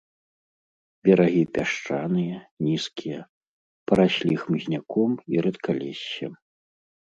Берагі пясчаныя, нізкія, параслі хмызняком і рэдкалессем.